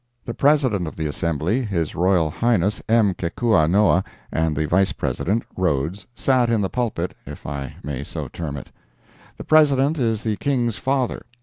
The President of the Assembly, His Royal Highness M. Kekuanaoa, and the Vice President (Rhodes) sat in the pulpit, if I may so term it. The President is the King's father.